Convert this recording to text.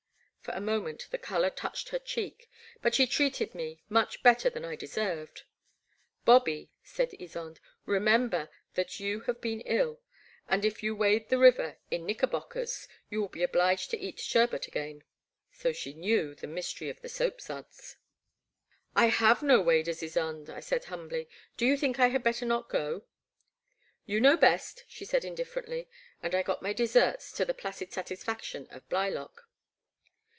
For a moment the colour touched her cheek, but she treated me much better than I de served. Bobby," said Ysonde, "remember that you have been ill, and if you wade the river in knick erbockers you will be obliged to eat sherbert again." So she knew the mystery of the soapsuds. n The Black Water. 151 I have no waders, Ysonde/* I said humbly, do you think I had better not go ?"You know best/' she said indifferently; and I got my deserts to the placid satisfaction of Bly lock.